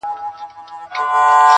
ووایه رویباره پیغامونو ته به څه وایو!.